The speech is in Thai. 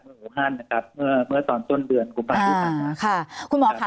เมืองหัวห้านนะครับเมื่อเมื่อตอนต้นเดือนกุปัตยุคันนะครับค่ะคุณหมอค่ะ